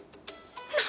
何？